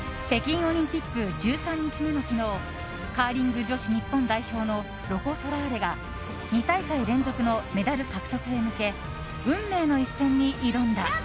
北京オリンピック１３日目の昨日カーリング女子日本代表のロコ・ソラーレが２大会連続のメダル獲得へ向け運命の一戦に挑んだ。